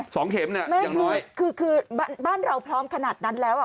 นี่ไงแม่งทุกครู่บ้านเราพร้อมขนาดนั้นแล้ว